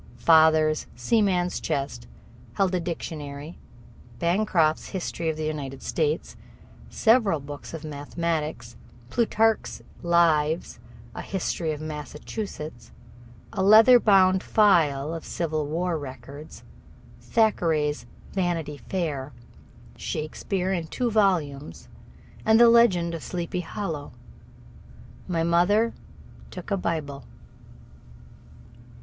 Father's sea man's chest held a dictionary, Bancroft's History of the United States, several books of mathematics, Plutarch's Lives, a history of Massachusetts, a leather bound file of Civil War records, Thackeray's "Vanity Fair", Shakespeare in two volumes, and the "Legend of Sleepy Hollow." My mother took a Bible.